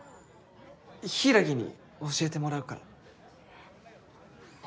柊に教えてもらうから。